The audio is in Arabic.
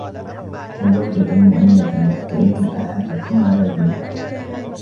وَزَوْجَةً مُؤْمِنَةً تُعِينُ أَحَدَكُمْ عَلَى دِينِهِ